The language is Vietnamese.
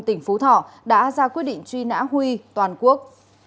tỉnh phú thọ đã ra quyết định truy nã huy toàn quốc